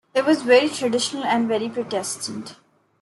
It was very traditional and very Protestant.